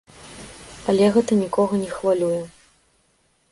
Але гэта нікога не хвалюе.